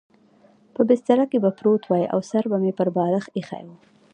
په بستره کې به پروت وای او سر به مې پر بالښت اېښی و.